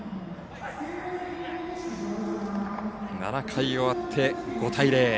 ７回、終わって５対０。